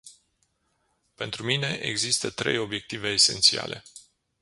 Pentru mine, există trei obiective esențiale.